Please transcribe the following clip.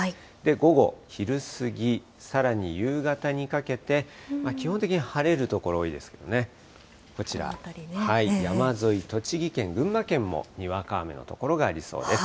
午後、昼過ぎ、さらに夕方にかけて、基本的に晴れる所多いですけどね、こちら、山沿い、栃木県、群馬県もにわか雨の所がありそうです。